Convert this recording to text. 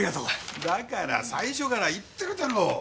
だから最初から言ってるだろう！